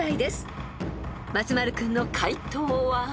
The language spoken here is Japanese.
［松丸君の解答は？］